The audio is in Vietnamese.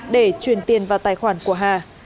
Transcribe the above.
để chuyển tiền vào tài khoản của hà